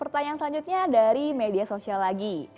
pertanyaan selanjutnya dari media sosial lagi